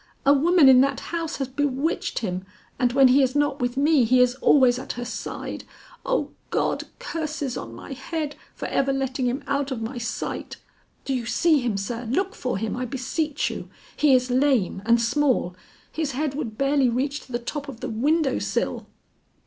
A woman in that house has bewitched him, and when he is not with me, he is always at her side. O God, curses on my head for ever letting him out of my sight! Do you see him, sir? Look for him, I beseech you; he is lame and small; his head would barely reach to the top of the window sill."